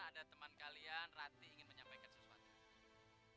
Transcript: ada teman kalian rati ingin menyampaikan sesuatu